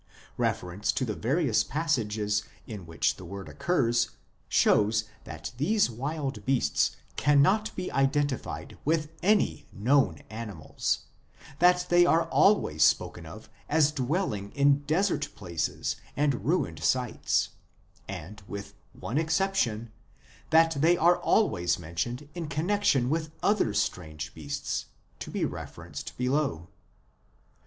Reference to the various passages in which the word occurs shows that these " wild beasts" cannot be identified with any known animals, that they are always spoken of as dwelling in desert places and ruined sites, and, with one exception, 1 that they are always mentioned in connexion with other strange beasts, to be referred to below.